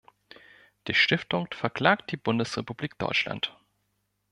Die Stiftung verklagt die Bundesrepublik Deutschland.